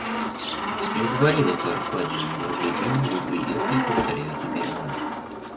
Я говорил это Аркадию на другой день его приезда и повторяю теперь вам.